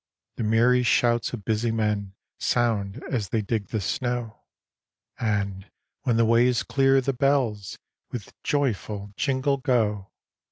The merry shouts of busy men Sound, as they dig the snow; And, when the way is clear, the bells With joyful jingle, go.